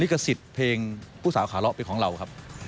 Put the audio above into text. ขสิทธิ์เพลงผู้สาวขาเลาะเป็นของเราครับ